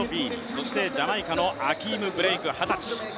そしてジャマイカのアキーム・ブレイク二十歳。